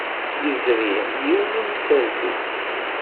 Yezri yiwen n wemsaltu.